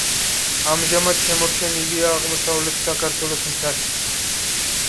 ამჟამად შემორჩენილია აღმოსავლეთ საქართველოს მთაში.